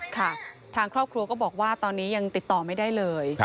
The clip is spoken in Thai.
ค่ะทางครอบครัวก็บอกว่าตอนนี้ยังติดต่อไม่ได้เลย